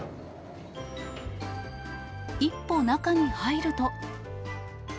一歩中に入ると。